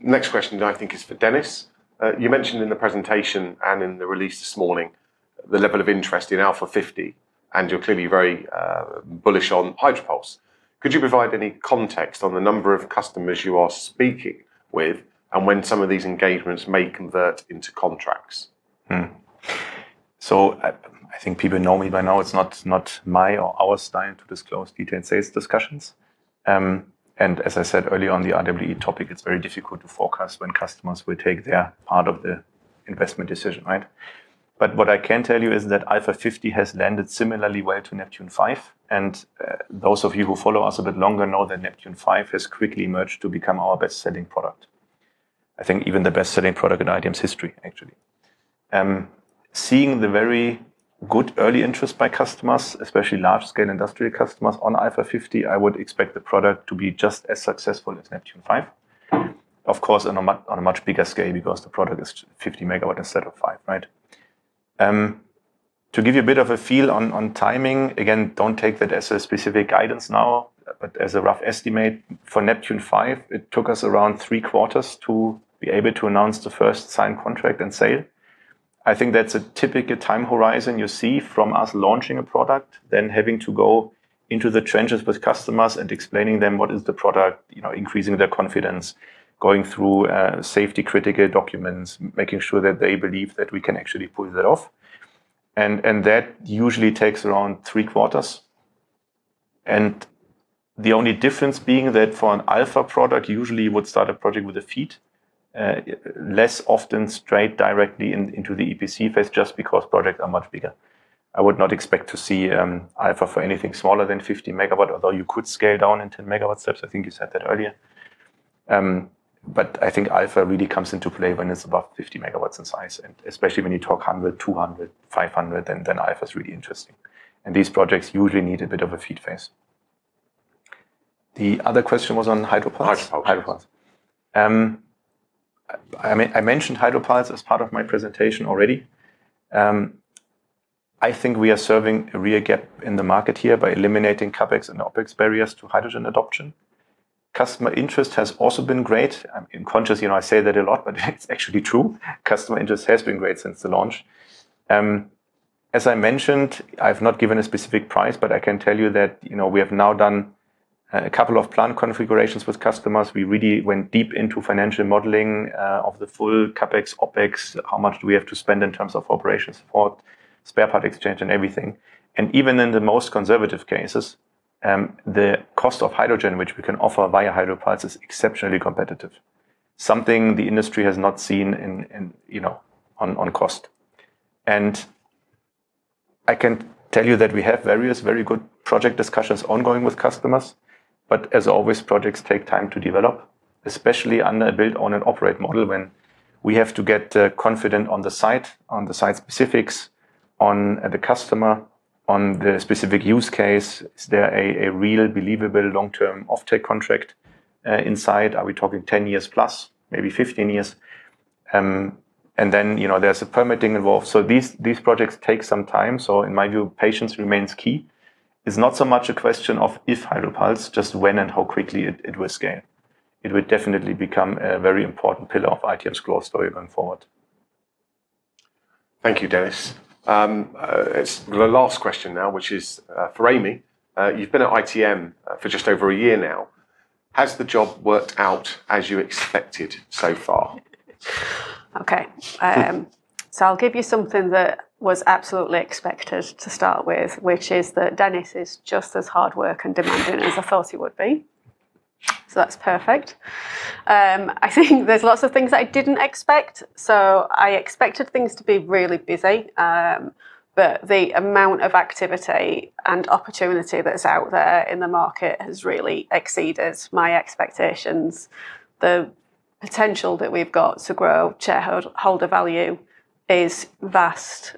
Next question I think is for Dennis. You mentioned in the presentation and in the release this morning, the level of interest in ALPHA 50, and you're clearly very bullish on Hydropulse. Could you provide any context on the number of customers you are speaking with, and when some of these engagements may convert into contracts? So I think people know me by now, it's not my or our style to disclose detailed sales discussions. And as I said earlier, on the RWE topic, it's very difficult to forecast when customers will take their part of the investment decision, right? But what I can tell you is that ALPHA 50 has landed similarly well to NEPTUNE V, and those of you who follow us a bit longer know that NEPTUNE V has quickly emerged to become our best-selling product. I think even the best-selling product in ITM's history, actually. Seeing the very good early interest by customers, especially large-scale industrial customers on ALPHA 50, I would expect the product to be just as successful as NEPTUNE V. Of course, on a much bigger scale because the product is 50 MW instead of 5, right? To give you a bit of a feel on timing, again, don't take that as a specific guidance now, but as a rough estimate, for NEPTUNE V, it took us around three quarters to be able to announce the first signed contract and sale. I think that's a typical time horizon you see from us launching a product, then having to go into the trenches with customers and explaining them what is the product, you know, increasing their confidence, going through safety-critical documents, making sure that they believe that we can actually pull that off, and that usually takes around three quarters. And the only difference being that for an ALPHA product, usually you would start a project with a FEED, less often straight directly into the EPC phase, just because projects are much bigger. I would not expect to see ALPHA for anything smaller than 50 MW, although you could scale down in 10 MW steps. I think you said that earlier. But I think ALPHA really comes into play when it's above 50 MW in size, and especially when you talk 100, 200, 500, and then ALPHA is really interesting. And these projects usually need a bit of a FEED phase. The other question was on Hydropulse? Hydropulse. Hydropulse. I mentioned Hydropulse as part of my presentation already. I think we are serving a real gap in the market here by eliminating CapEx and OpEx barriers to hydrogen adoption. Customer interest has also been great. I'm conscious, you know, I say that a lot, but it's actually true. Customer interest has been great since the launch. As I mentioned, I've not given a specific price, but I can tell you that, you know, we have now done a couple of plant configurations with customers. We really went deep into financial modeling of the full CapEx, OpEx, how much do we have to spend in terms of operation support, spare parts exchange, and everything. Even in the most conservative cases, the cost of hydrogen, which we can offer via Hydropulse, is exceptionally competitive, something the industry has not seen in, you know, on cost. I can tell you that we have various very good project discussions ongoing with customers, but as always, projects take time to develop, especially under a build-own-operate model, when we have to get confident on the site, on the site specifics, on the customer, on the specific use case. Is there a real believable long-term offtake contract in sight? Are we talking 10 years plus, maybe 15 years? And then, you know, there's a permitting involved. So these projects take some time. So in my view, patience remains key. It's not so much a question of if Hydropulse, just when and how quickly it will scale. It will definitely become a very important pillar of ITM's growth story going forward. Thank you, Dennis. It's the last question now, which is for Amy. You've been at ITM for just over a year now. Has the job worked out as you expected so far? Okay. So I'll give you something that was absolutely expected to start with, which is that Dennis is just as hard-working and demanding as I thought he would be. So that's perfect. I think there's lots of things I didn't expect, so I expected things to be really busy. But the amount of activity and opportunity that is out there in the market has really exceeded my expectations. The potential that we've got to grow shareholder value is vast.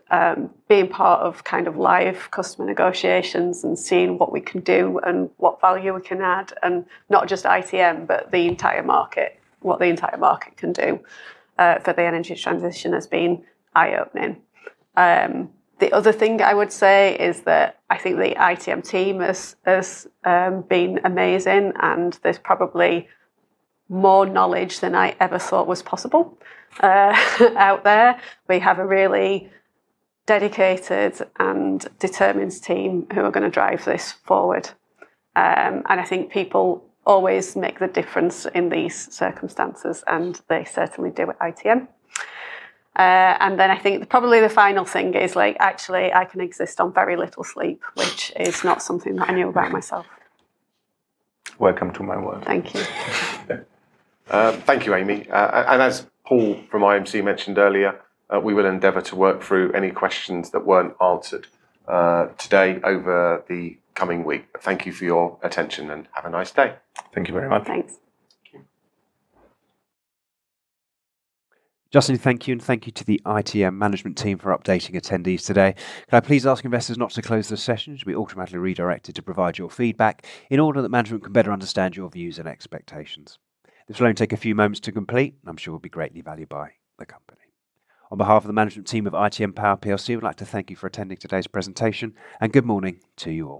Being part of kind of live customer negotiations and seeing what we can do and what value we can add, and not just ITM, but the entire market, what the entire market can do, for the energy transition has been eye-opening. The other thing I would say is that I think the ITM team has been amazing, and there's probably more knowledge than I ever thought was possible out there. We have a really dedicated and determined team who are gonna drive this forward. And I think people always make the difference in these circumstances, and they certainly do at ITM. And then I think probably the final thing is, like, actually, I can exist on very little sleep, which is not something that I knew about myself. Welcome to my world. Thank you. Thank you, Amy. As Paul from IMC mentioned earlier, we will endeavor to work through any questions that weren't answered today, over the coming week. Thank you for your attention, and have a nice day. Thank you very much. Thanks. Okay. Justin, thank you, and thank you to the ITM management team for updating attendees today. Could I please ask investors not to close the session? You should be automatically redirected to provide your feedback, in order that management can better understand your views and expectations. This will only take a few moments to complete, and I'm sure will be greatly valued by the company. On behalf of the management team of ITM Power plc, we'd like to thank you for attending today's presentation, and good morning to you all.